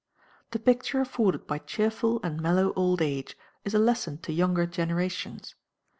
The picture afforded by cheerful and mellow old age is a lesson to younger generations.